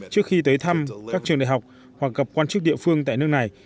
trước khi tới thăm các trường đại học hoặc gặp quan chức địa phương tại nước này